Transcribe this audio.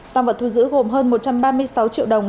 tăng vật thu giữ gồm hơn một trăm ba mươi sáu triệu đồng